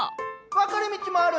・分かれ道もある。